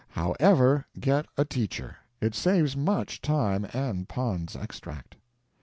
However, get a teacher; it saves much time and Pond's Extract.